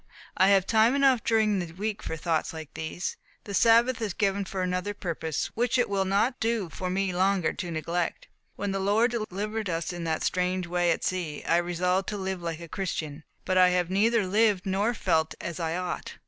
I have time enough during the week for thoughts like these. The Sabbath is given for another purpose, which it will not do for me longer to neglect. When the Lord delivered us in that strange way at sea, I resolved to live like a Christian, but I have neither lived nor felt as I ought.